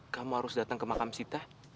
kamu harus datang ke makam sita